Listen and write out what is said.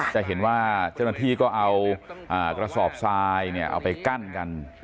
จะเห็นว่าเจ้าหน้าที่ก็เอากระสอบทรายเนี่ยเอาไปกั้นกัน